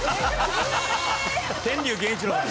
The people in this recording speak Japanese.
天龍源一郎さん。